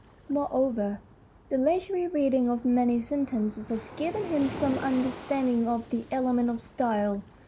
Moreover, the leisurely reading of many sen tences had given him some understanding of the elements of style.